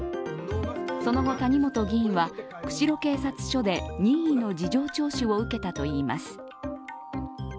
その後、谷本議員は釧路警察署で任意の事情聴取を受けたといいます。